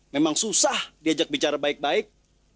memang susah diajak bicara baik baik